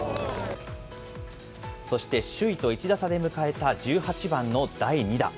そして首位と１打差で迎えた、１８番の第２打。